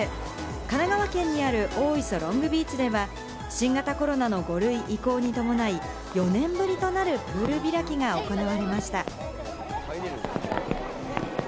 神奈川県にある大磯ロングビーチでは、新型コロナの５類移行に伴い、４年ぶりとなるプール開きが行われました。